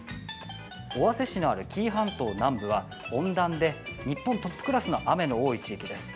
尾鷲市のある紀伊半島南部は温暖で日本トップクラスの雨の多い地域です。